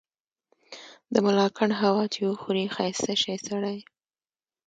د ملاکنډ هوا چي وخوري ښايسته شی سړے